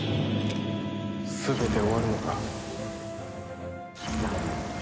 全て終わるのか。